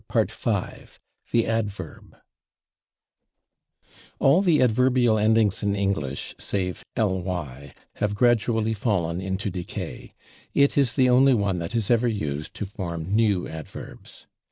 [Pg226] § 5 /The Adverb/ All the adverbial endings in English, save / ly/, have gradually fallen into decay; it is the only one that is ever used to form new adverbs.